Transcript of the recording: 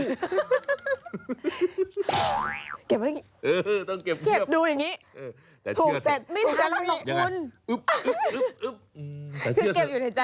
เก็บดูอย่างนี้ถูกเสร็จถูกเสร็จไม่ทันหรือเปล่าบอกคุณ